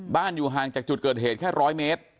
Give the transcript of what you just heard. อยู่ห่างจากจุดเกิดเหตุแค่๑๐๐เมตร